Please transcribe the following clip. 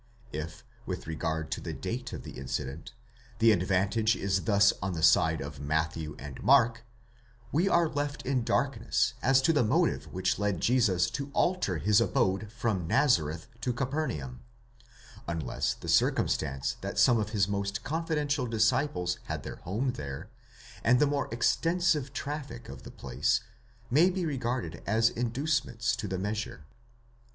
If, with regard to the date of the incident, the advantage is thus on the side of Matthew and Mark, we are left in darkness as to the motive which led Jesus to alter his abode from Nazareth to Capernaum ; unless the circumstance that some of his most confidential disciples had their home there, and the more extensive traffic of the place, may be regarded as inducements to the measure.